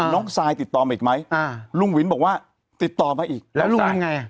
ทรายติดต่อมาอีกไหมอ่าลุงวินบอกว่าติดต่อมาอีกแล้วลุงทำไงอ่ะ